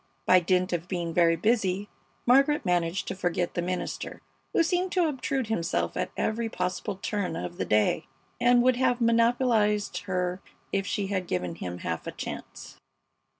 By dint of being very busy Margaret managed to forget the minister, who seemed to obtrude himself at every possible turn of the day, and would have monopolized her if she had given him half a chance.